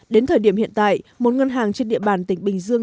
đến thời điểm hiện tại một ngân hàng trên địa bàn tỉnh bình dương